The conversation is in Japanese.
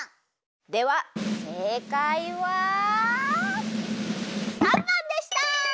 ではせいかいは③ばんでした！